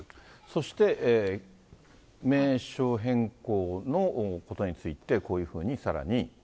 そして名称変更のことについて、こういうふうにさらに。